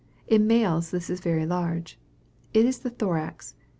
In males this is very large. This is the thorax.